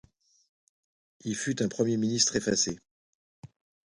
Il fut un premier ministre effacé.